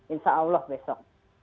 insya allah besok